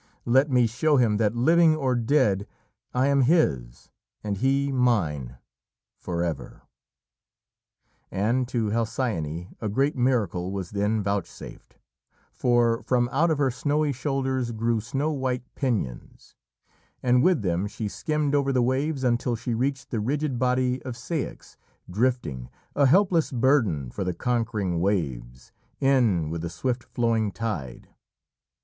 Let me show him that, living or dead, I am his, and he mine forever." And to Halcyone a great miracle was then vouchsafed, for from out of her snowy shoulders grew snow white pinions, and with them she skimmed over the waves until she reached the rigid body of Ceyx, drifting, a helpless burden for the conquering waves, in with the swift flowing tide.